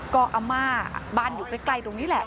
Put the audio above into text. ก็อาม่าบ้านอยู่ใกล้ตรงนี้แหละ